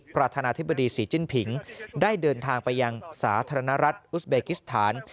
ประธานาธิบดีศรีจิ้นผิงได้เดินทางไปยังสาธารณรัฐอุสเบกิสถาน